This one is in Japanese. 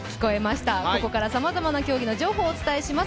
ここからさまざまな競技の情報を伝えます。